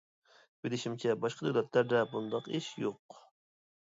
بىلىشىمچە باشقا دۆلەتلەردە بۇنداق ئىش يوق!